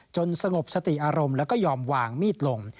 สงบสติอารมณ์แล้วก็ยอมวางมีดลง